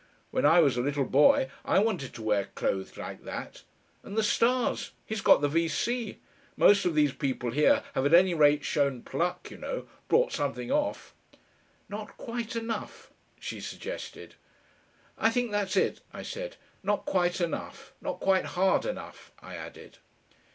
When I was a little boy I wanted to wear clothes like that. And the stars! He's got the V. C. Most of these people here have at any rate shown pluck, you know brought something off." "Not quite enough," she suggested. "I think that's it," I said. "Not quite enough not quite hard enough," I added.